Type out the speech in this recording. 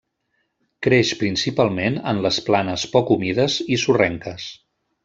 Creix principalment en les planes poc humides i sorrenques.